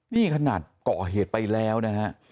นี่ขนาดก่อเหตุไปแล้วนะฮะ